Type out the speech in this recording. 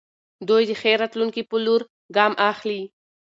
دوی د ښې راتلونکې په لور ګام اخلي.